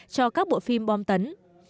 cho các bộ phim bom tấn